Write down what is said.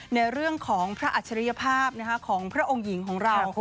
ในเรื่องของพระอัจฉริยภาพของพระองค์หญิงของเรา